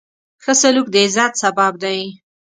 ښه سلوک د عزت سبب دی.